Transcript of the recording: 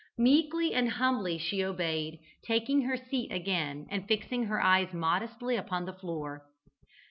Meekly and humbly she obeyed, taking her seat again, and fixing her eyes modestly upon the floor.